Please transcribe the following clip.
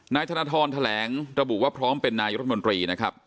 นายธนทรแหลงต่อหมู่ว่าพร้อมเป็นนายรดมนตรีนะครับ